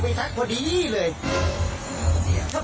ไม่รู้เหรอว่าขอเป็นใคร